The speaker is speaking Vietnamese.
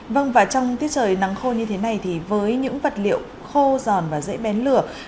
vâng và trong tiết trời nắng khô như thế này thì với những vật liệu khô giòn và dễ bén lửa